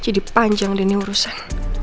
jadi panjang deh ini urusan